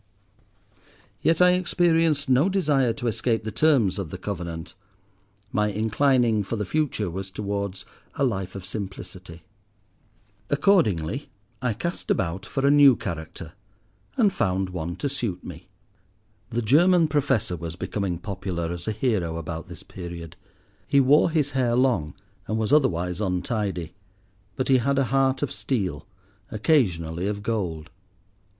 Yet I experienced no desire to escape the terms of the covenant; my inclining for the future was towards a life of simplicity. Accordingly, I cast about for a new character, and found one to suit me. The German professor was becoming popular as a hero about this period. He wore his hair long and was otherwise untidy, but he had "a heart of steel," occasionally of gold.